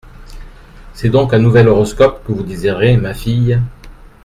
C’est donc un nouvel horoscope que vous désirez, ma fille ?